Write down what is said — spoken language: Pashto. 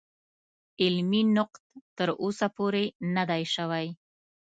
علمي نقد تر اوسه پورې نه دی شوی.